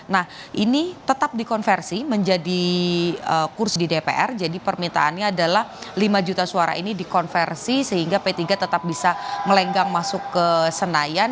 nah ini tetap dikonversi menjadi kursi di dpr jadi permintaannya adalah lima juta suara ini dikonversi sehingga p tiga tetap bisa melenggang masuk ke senayan